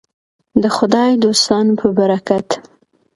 د خدای دوستانو په برکت.